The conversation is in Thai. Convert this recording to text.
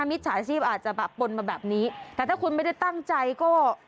มิจฉาชีพอาจจะแบบปนมาแบบนี้แต่ถ้าคุณไม่ได้ตั้งใจก็